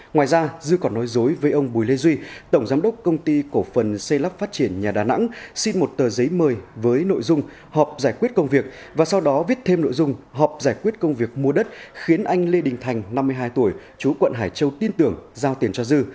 ngoài ra dư còn nói dối với ông bùi lê duy tổng giám đốc công ty cổ phần xây lắp phát triển nhà đà nẵng xin một tờ giấy mời với nội dung họp giải quyết công việc và sau đó viết thêm nội dung họp giải quyết công việc mua đất khiến anh lê đình thành năm mươi hai tuổi chú quận hải châu tin tưởng giao tiền cho dư